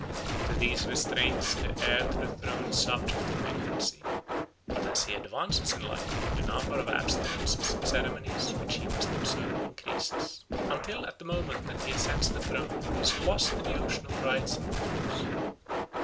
To these restraints the heir to the throne is subject from infancy; but as he advances in life the number of abstinences and ceremonies which he must observe increases, "until at the moment that he ascends the throne he is lost in the ocean of rites and taboos."